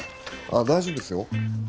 あっ大丈夫っすよ。